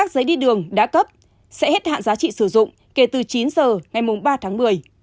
giá cấp sẽ hết hạn giá trị sử dụng kể từ chín giờ ngày ba tháng một mươi